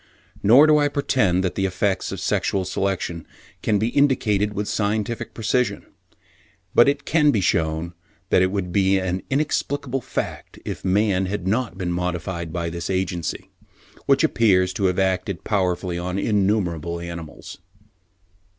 Nor do I pretend that the effects of sexual selection can be indicated with scientific precision; but it can be shewn that it would be an inexplicable fact if man had not been modified by this agency, which appears to have acted powerfully on innumerable animals.